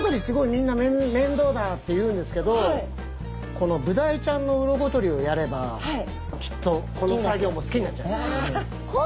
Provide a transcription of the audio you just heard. みんな面倒だって言うんですけどこのブダイちゃんの鱗取りをやればきっとこの作業も好きになっちゃう。